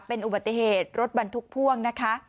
เป็นอุบัติเหตุรถบรรทุกพ่วงนะคะ